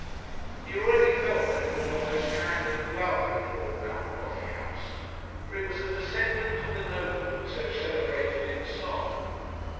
He already felt that he was almost hand and glove with Lord Mount Coffeehouse; for it was a descendant of the nobleman so celebrated in song.